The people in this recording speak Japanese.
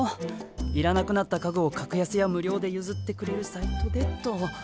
いらなくなった家具を格安や無料で譲ってくれるサイトでと。